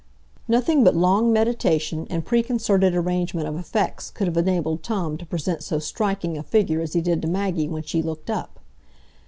Nothing but long meditation and preconcerted arrangement of effects could have enabled Tom to present so striking a figure as he did to Maggie when she looked up.